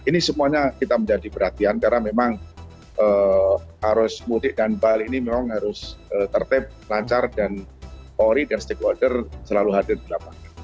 ini semuanya kita menjadi perhatian karena memang arus mudik dan balik ini memang harus tertib lancar dan polri dan stakeholder selalu hadir di lapangan